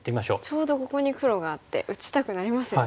ちょうどここに黒があって打ちたくなりますよね。